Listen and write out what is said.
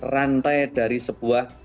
rantai dari sebuah